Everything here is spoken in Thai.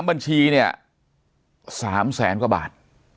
บัญชีเนี่ย๓แสนกว่าบาท